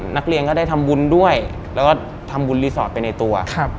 นักเรียนก็ได้ทำบุญด้วยแล้วก็ทำบุญรีสอร์ทไปในตัว